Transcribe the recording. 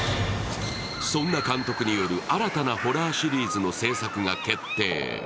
そんな監督による新たなホラーシリーズの製作が決定。